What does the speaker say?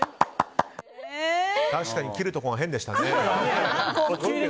確かに切るところ変でしたね。